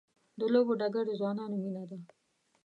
د لوبو ډګر د ځوانانو مینه ده.